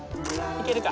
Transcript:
いけるか。